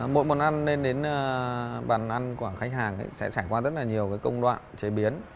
mỗi món ăn lên đến bàn ăn của khách hàng sẽ trải qua rất là nhiều công đoạn chế biến